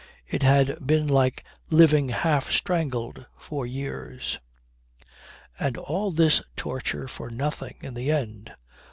It had been like living half strangled for years. And all this torture for nothing, in the end!